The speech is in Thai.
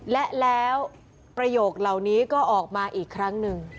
และแล้วประโยคเหล่านี้ก็ออกมาอีกครั้งหนึ่ง